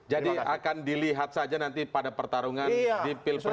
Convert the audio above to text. jadi akan dilihat saja nanti pada pertarungan di pilpres